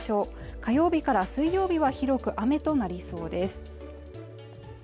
火曜日から水曜日は広く雨となりそうです